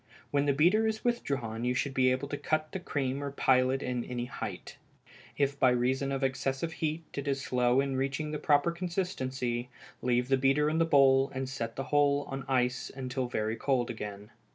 When the beater is withdrawn you should be able to cut the cream or pile it any height. If by reason of excessive heat it is slow in reaching the proper consistency, leave the beater in the bowl, and set the whole on the ice until very cold again.